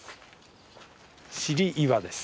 尻岩です。